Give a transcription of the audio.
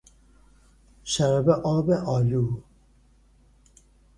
شراب آب آلو